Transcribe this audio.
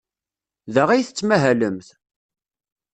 Da ay tettmahalemt?